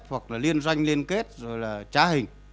hoặc là liên doanh liên kết rồi là trá hình